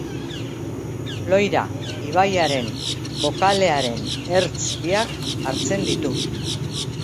Loira ibaiaren bokalearen ertz biak hartzen ditu.